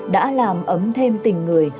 đã làm ấm thêm tình người